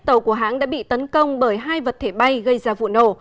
tàu của hãng đã bị tấn công bởi hai vật thể bay gây ra vụ nổ